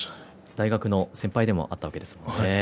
大学の先輩でもあったわけですね。